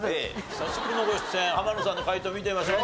久しぶりのご出演浜野さんの解答見てみましょう。